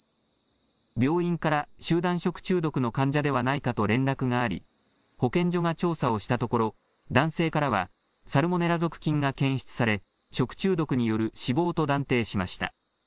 病院から集団食中毒の患者ではないかと連絡があり保健所が調査をしたところ男性からはサルモネラ属菌が検出され食中毒による死亡と断定しました。